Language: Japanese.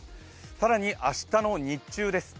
更に明日の日中です。